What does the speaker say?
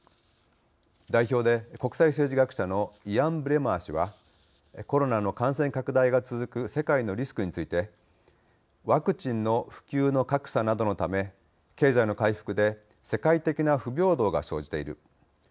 代表で国際政治学者のイアン・ブレマー氏はコロナの感染拡大が続く世界のリスクについて「ワクチンの普及の格差などのため経済の回復で世界的な不平等が生じている。